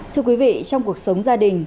thưa quý vị trong cuộc sống gia đình